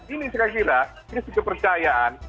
ini sekaligus krisis kepercayaan